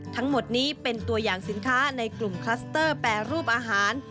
ทั้งหมดนี้เป็นตัวอย่างสินค้าในกลุ่มคลัสเตอร์แปรรูปอาหาร